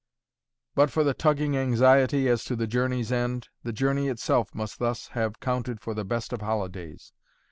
But for the tugging anxiety as to the journey's end, the journey itself must thus have counted for the best of holidays.